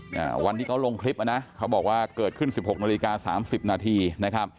น่ะวันนี่เขาลงคลิปนะเขาบอกว่าเกิดขึ้น๑๖น๓๐น